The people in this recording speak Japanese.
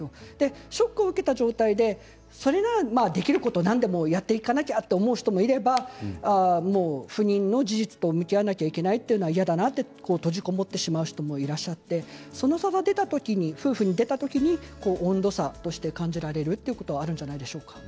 ショックを受けた状態でできることを何でもやっていかなきゃと思う人もいれば不妊の事実と向き合わなきゃいけないのは嫌だなと閉じこもってしまう人もいらっしゃってその差が出た時に夫婦に出た時に温度差として感じられるということはあるんじゃないでしょうか。